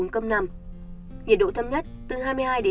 nhiệt độ thâm nhất từ hai mươi hai hai mươi năm độ